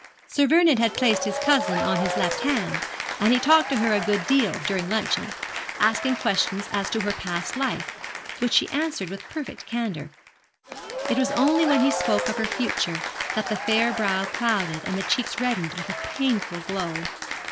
Sir Vernon had placed his cousin on his left hand, and he talked to her a good deal during luncheon asking questions as to her past life, which she answered with perfect candour. It was only when he spoke of her future that the fair brow clouded, and the cheeks reddened with a painful glow.